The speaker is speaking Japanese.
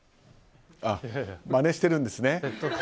まねしてるんですね。